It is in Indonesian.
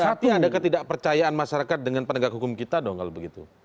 berarti ada ketidakpercayaan masyarakat dengan penegak hukum kita dong kalau begitu